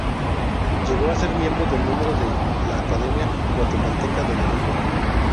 Llegó a ser miembro de número de la Academia Guatemalteca de la Lengua.